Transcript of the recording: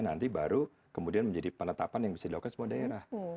nanti baru kemudian menjadi penetapan yang bisa dilakukan semua daerah